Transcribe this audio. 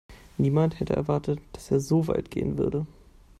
Niemand hätte erwartet, dass er so weit gehen würde.